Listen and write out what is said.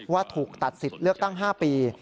ว่าถูกตัดสิทธิ์เลือกตั้ง๕ปี